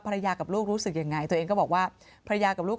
ภรรยากับลูกรู้สึกยังไงตัวเองก็บอกว่า